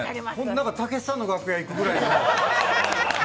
なんかたけしさんの楽屋に行くぐらいの。